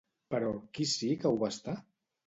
Però qui sí que ho va estar?